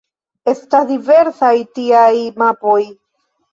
Estas diversaj tiaj mapoj.